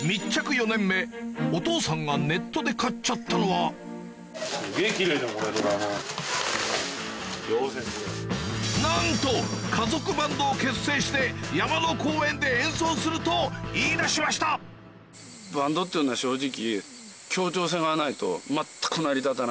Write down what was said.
お父さんがネットで買っちゃったのはなんと家族バンドを結成して山の公園で演奏すると言い出しました正直。